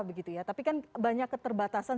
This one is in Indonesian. begitu ya tapi kan banyak keterbatasan